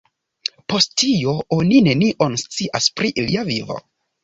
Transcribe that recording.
Post tio, oni nenion scias pri lia vivo.